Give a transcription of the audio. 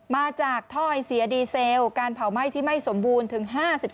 มาจากถ้อยเสียดีเซลการเผาไหม้ที่ไม่สมบูรณ์ถึง๕๓